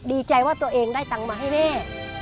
ดีใจว่าตัวเองได้ตังค์มาให้แม่